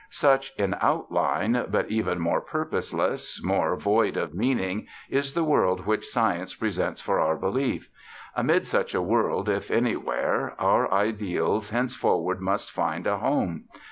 '" Such, in outline, but even more purposeless, more void of meaning, is the world which Science presents for our belief. Amid such a world, if anywhere, our ideals henceforward must find a home.